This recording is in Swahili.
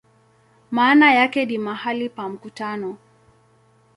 Maana yake ni "mahali pa mkutano".